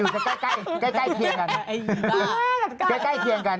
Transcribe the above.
กลายเคียงกัน